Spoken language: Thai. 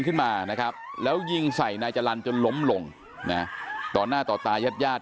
ขึ้นมานะครับแล้วยิงใส่นายจรรย์จนล้มลงนะต่อหน้าต่อตายาดญาติ